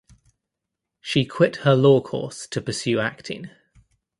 She quit her law course to pursue acting.